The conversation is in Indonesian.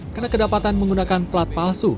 karena kedapatan menggunakan plat palsu